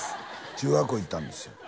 中学校行ったんですよ